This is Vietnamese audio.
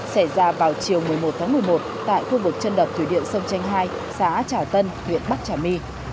xảy ra vào chiều một mươi một tháng một mươi một tại khu vực chân đập thủy điện sông tranh hai xã trả tân huyện bắc trả my